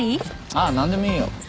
ああなんでもいいよ。